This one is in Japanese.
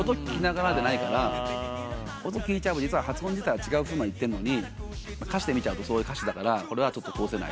音聴いちゃえば実は発音自体は違うふうに言ってんのに歌詞で見ちゃうとそういう歌詞だからこれは通せないとか。